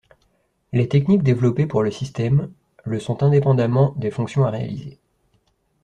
Les techniques développées pour le système le sont indépendamment des fonctions à réaliser.